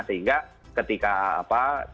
sehingga ketika nanti di tempat pariwisata